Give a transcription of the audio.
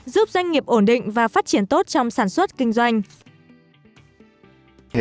giúp doanh nghiệp ổn định và phát triển tốt trong sản xuất kinh doanh